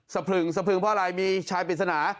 พลึงสะพึงเพราะอะไรมีชายปริศนา